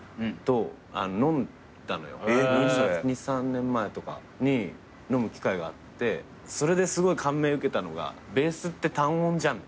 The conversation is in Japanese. ２３年前とかに飲む機会があってそれですごい感銘受けたのが「ベースって単音じゃん」